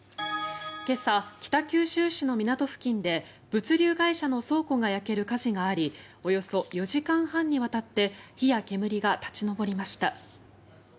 今朝、北九州市の港付近で物流倉庫の倉庫が焼ける火事がありおよそ４時間半にわたって火や煙が立ち上りました。